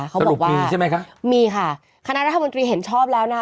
เขาบอกว่ามีใช่ไหมคะมีค่ะคณะรัฐมนตรีเห็นชอบแล้วนะคะ